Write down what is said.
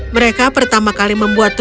mereka pertama kali membuat